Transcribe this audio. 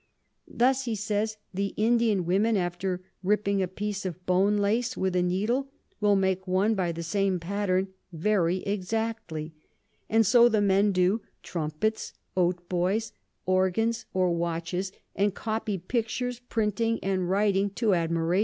Thus he says the Indian Women after ripping a piece of Bone Lace with a Needle, will make one by the same pattern very exactly; and so the Men do Trumpets, Hautboys, Organs, or Watches; and copy Pictures, Printing and Writing to admiration.